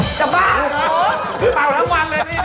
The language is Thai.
ไม่หมดเหรอล่ะล่ะ